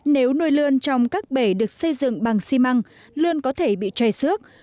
nếu nuôi lươn trong các bể được xây dựng bằng xi măng lươn có thể bị chay xước